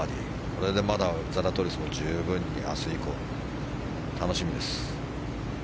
これでまだザラトリスも十分に明日以降、楽しみです。